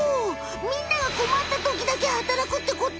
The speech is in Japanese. みんながこまったときだけ働くってこと？